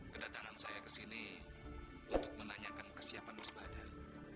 kedatangan saya kesini untuk menanyakan kesiapan mas badar